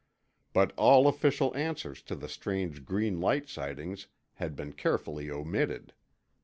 But all official answers to the strange green light sightings had been carefully omitted.